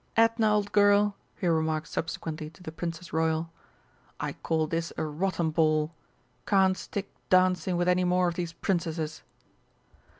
"Edna, old girl," he remarked subsequently to the Princess Royal, "I call this a rotten ball. Can't stick dancing with any more of these Princesses!"